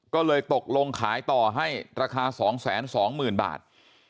ก็เลยตกลงขายต่อให้ราคาสองแสนสองหมื่นบาท